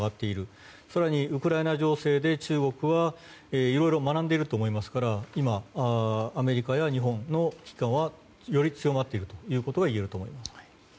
更に中国はウクライナ侵攻で中国はいろいろと学んでいると思いますから今やアメリカや日本の危機感はより強まっているということがいえると思います。